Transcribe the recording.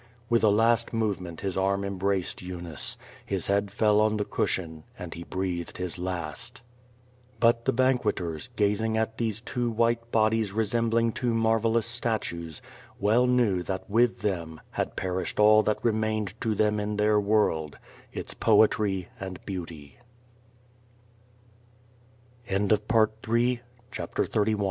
With a last movement his arm embraced Eunice, his head fell on the cushion and he breathed his last. But the banqueters, gazing at these two white bodies resem bling two marvelous statues, well knew that with them had perished all that remained to them in their world,